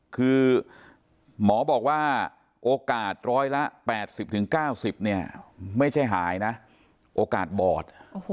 คือหมอบอกว่าโอกาสร้อยละ๘๐๙๐เนี่ยไม่ใช่หายนะโอกาสบอด